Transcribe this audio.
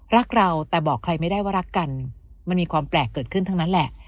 รักเราแต่บอกใครไม่ได้ว่ารักกันมันมีความแปลกเกิดขึ้นทั้งนั้นแหละ